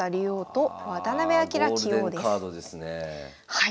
はい。